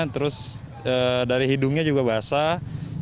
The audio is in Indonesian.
terus dari hidungnya juga basah